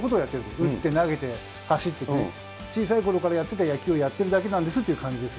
打って投げて走ってという、小さいころからやってた野球をやってるだけなんですって感じです